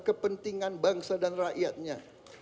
kepentingan bangsa dan rakyatnya